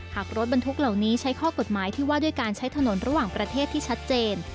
หากรถบรรทุกเหล่านี้ใช้ข้อกฎหมายที่ว่าด้วยการใช้ถนนระหว่างประเทศที่ชัดเจน